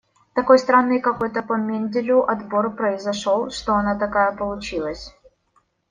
Такой странный какой-то по Менделю отбор произошёл, что она такая получилась.